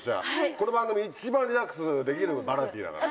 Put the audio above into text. この番組一番リラックスできるバラエティーだから。